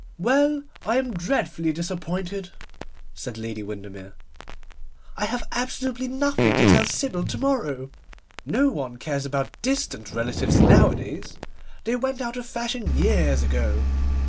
'Well, I am dreadfully disappointed,' said Lady Windermere. 'I have absolutely nothing to tell Sybil to morrow. No one cares about distant relatives nowadays. They went out of fashion years ago.